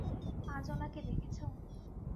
আজ উনাকে দেখেছ?